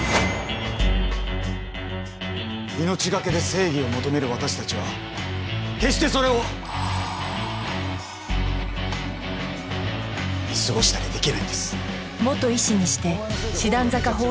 命懸けで正義を求める私たちは決してそれを見過ごしたりできないんです。